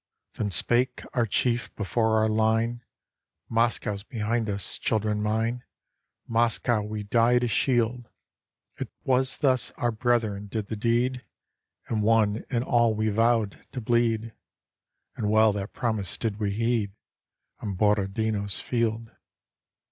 Then spake our chief before our line; "Moscow 's behind us, children mine! Moscow we die to shield; 'T was thus our brethren did the deed!" And one and all we vowed to bleed; And well that promise did we heed On Borodino's field.